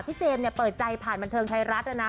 พี่เจมส์เปิดใจผ่านบันเทิงไทยรัฐนะ